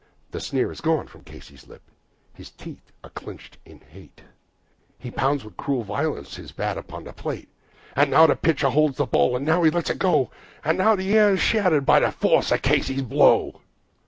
The sneer is gone from Casey's lip, his teeth are clenched in hate, He pounds with cruel violence his bat upon the plate; And now the pitcher holds the ball, and now he lets it go, And now the air is shattered by the force of Casey's blow.